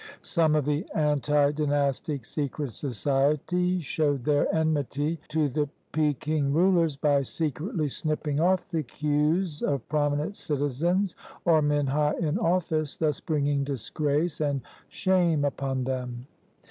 Some of the anti dynastic secret societies showed their enmity to the Peking rulers by secretly snipping off the queues of prominent citizens, or men high in office, thus bringing disgrace and shame upon them.